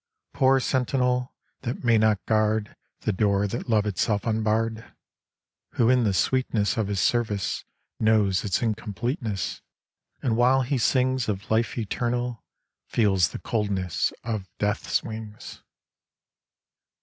Poor sentinel, that may not guard The door that love itself unbarred! Who in the sweetness Of his service knows its incompleteness, And while he sings Of life eternal, feels the coldness of Death's wings.